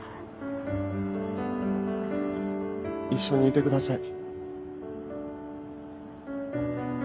一緒にいてください。